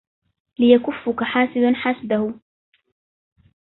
ليكفك حاسدا حسده